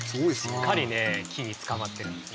しっかり木につかまってるんですね。